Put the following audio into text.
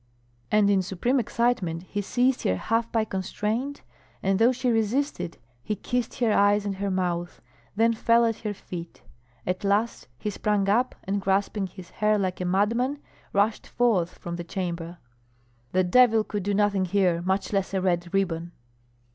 And in supreme excitement he seized her half by constraint, and though she resisted, he kissed her eyes and her mouth, then fell at her feet. At last he sprang up, and grasping his hair like a madman, rushed forth from the chamber. "The devil could do nothing here, much less a red ribbon."